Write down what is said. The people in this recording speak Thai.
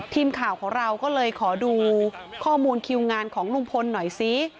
ทีมข่าวของเราก็เลยขอดูข้อมูลคิวงานของลุงพลหน่อยซิ